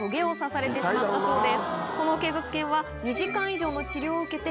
この警察犬は。